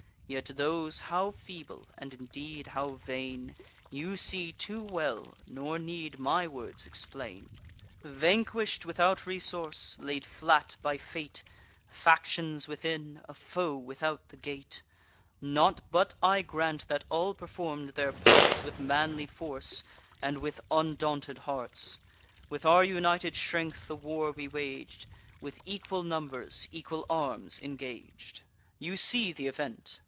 Yet those how feeble, and, indeed, how vain, You see too well; nor need my words explain. Vanquish'd without resource; laid flat by fate; Factions within, a foe without the gate! Not but I grant that all perform'd their parts With manly force, and with undaunted hearts: With our united strength the war we wag'd; With equal numbers, equal arms, engag'd. You see th' event.